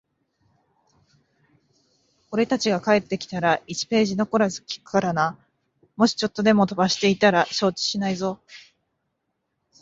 俺たちが帰ってきたら、一ページ残らず聞くからな。もしちょっとでも飛ばしていたら承知しないぞ。